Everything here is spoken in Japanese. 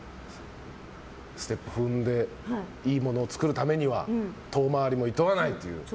ステップを踏んでいいものを作るためには遠回りもいとわないという。